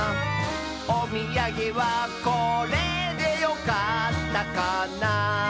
「おみやげはこれでよかったかな」